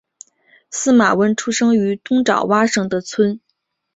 司马温出生于东爪哇省的村。